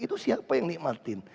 itu siapa yang nikmatin